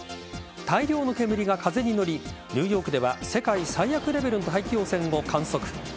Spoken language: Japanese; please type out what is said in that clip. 大量の煙が風に乗りニューヨークでは世界最悪レベルの大気汚染を観測。